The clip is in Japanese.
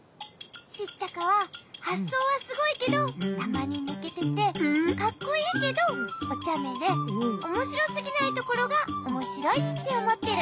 シッチャカははっそうはすごいけどたまにぬけててかっこいいけどおちゃめでおもしろすぎないところがおもしろいっておもってる。